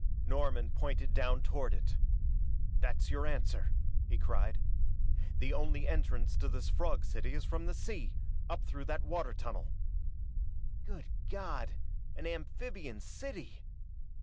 Norman pointed down toward it. "That's your answer!" he cried. "The only entrance to this frog city is from the sea, up through that water tunnel!" "Good God, an amphibian city!"